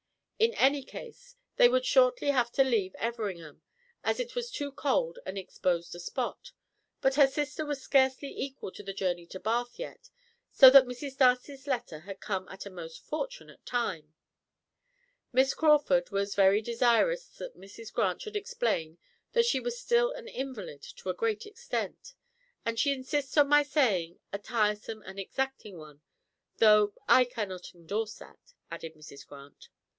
In any case, they would shortly have to leave Everingham, as it was too cold and exposed a spot, but her sister was scarcely equal to the journey to Bath yet, so that Mrs. Darcy's letter had come at a most fortunate time. Miss Crawford was very desirous that Mrs. Grant should explain that she was still an invalid to a great extent "and she insists on my saying a tiresome and exacting one, though I cannot endorse that," added Mrs. Grant.